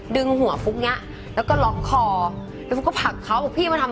ดึงหัวฟุ๊กเนี้ยแล้วก็ร็อกคอแล้วก็ผล่ะพี่มาทำ